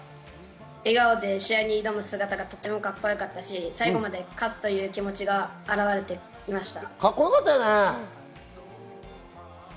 笑顔で試合に挑む姿がカッコよかったし、最後まで勝つという気持ちが表れていました。